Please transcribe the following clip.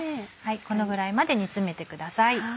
このぐらいまで煮詰めてください。